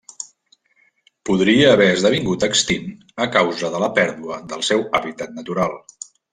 Podria haver esdevingut extint a causa de la pèrdua del seu hàbitat natural.